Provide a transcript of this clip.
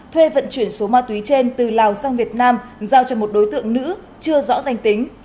thuê vận chuyển số ma túy trên từ lào sang việt nam giao cho một đối tượng nữ chưa rõ danh tính